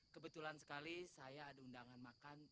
kebetulan sekali saya ada undangan makan